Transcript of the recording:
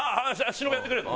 忍やってくれるの？